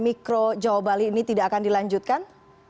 mikro jawa bali ini tidak akan dilanjutkan